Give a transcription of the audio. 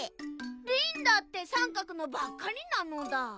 リンだってさんかくのばっかりなのだ。